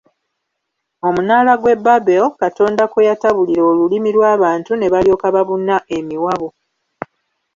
Omunaala gwe Babel, Katonda kwe yatabulira olulimi lw'abantu ne balyoka babuna emiwabo.